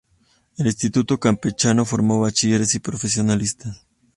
El Instituto Campechano forma bachilleres y profesionistas.